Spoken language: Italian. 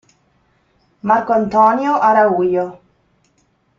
Marco Antonio Araujo